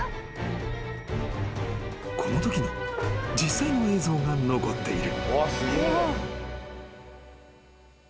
［このときの実際の映像が残っている］